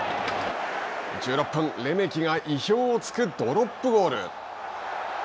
１６分、レメキが意表をつくドロップゴール。